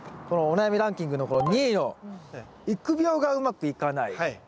このお悩みランキングのこの２位の「育苗がうまくいかない」。